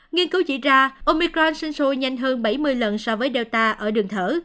nghiên cứu chỉ ra omicron sinh sôi nhanh hơn bảy mươi lần so với delta ở đường thở